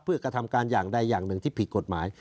เพื่อกระทำการอย่างใดอย่างหนึ่งที่ผิดกฎหมาย